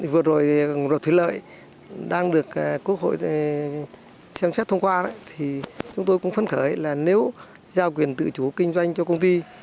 vừa rồi luật thủy lợi đang được quốc hội xem xét thông qua thì chúng tôi cũng phấn khởi là nếu giao quyền tự chủ kinh doanh cho công ty